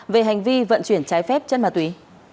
về hành vi vận chuyển trái phép chất ma túy